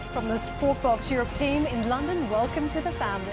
dari tim eropa sportbox di london selamat datang di family